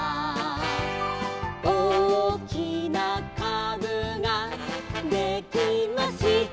「おおきなかぶができました」